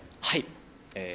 はい。